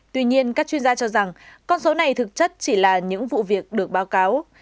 tuy nhiên các chuyên gia cho rằng con số này thực chất chỉ là những vụ việc được báo cáo